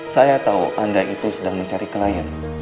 saya tahu anda itu sedang mencari klien